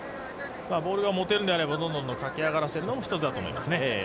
ボールが持てるんであればどんどん駆け上がらせるのも一つだと思います。